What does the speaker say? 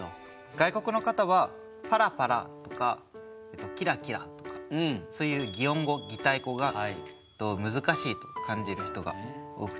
外国の方はパラパラとかキラキラとかそういう擬音語・擬態語が難しいと感じる人が多くて。